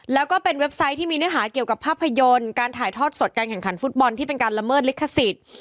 แล้วก็เป็นเว็บไซต์ที่มีเนื้อหาเกี่ยวกับภาพยนตร์การถ่ายทอดสดการแข่งขันฟุตบอลที่เป็นการละเมิดลิขสิทธิ์